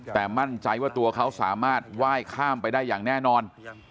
แต่มั่นใจว่าตัวเขาสามารถไหว้ข้ามไปได้อย่างแน่นอน